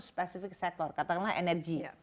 spesifik sektor katakanlah energi